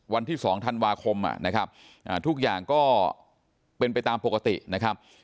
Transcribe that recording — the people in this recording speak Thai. วันที่๒ธันวาคมนะครับทุกอย่างก็เป็นไปตามปกตินะครับ